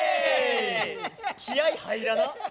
気合い入らな！